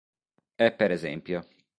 È per es.